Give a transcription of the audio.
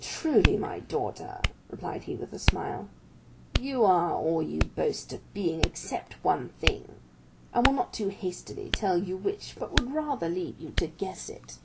"Truly, my daughter," replied he with a smile, "you are all you boast of being, excepting one thing; I will not too hastily tell you which, but would rather leave you to guess it."